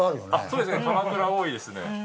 そうですね鎌倉多いですね。